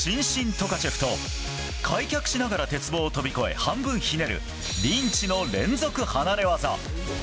トカチェフと開脚しながら鉄棒を飛び越え半分ひねる、リンチの連続離れ技。